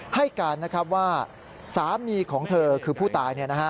ให้การว่าสามีของเธอคือผู้ตาย